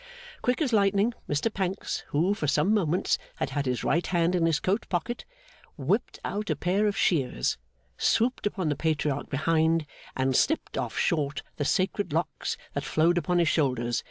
Quick as lightning, Mr Pancks, who, for some moments, had had his right hand in his coat pocket, whipped out a pair of shears, swooped upon the Patriarch behind, and snipped off short the sacred locks that flowed upon his shoulders.